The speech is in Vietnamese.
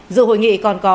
dự hội nghị còn có